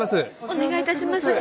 お願いいたします。